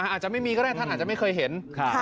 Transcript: อาจจะไม่มีก็ได้ท่านอาจจะไม่เคยเห็น